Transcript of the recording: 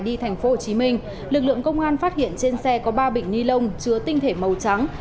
đi thành phố hồ chí minh lực lượng công an phát hiện trên xe có ba bịnh nilon chứa tinh thể màu trắng